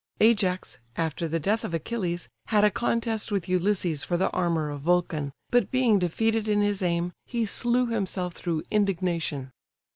Ajax, after the death of Achilles, had a contest with Ulysses for the armour of Vulcan, but being defeated in his aim, he slew himself through indignation.